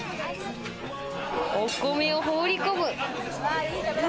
お米を放り込む。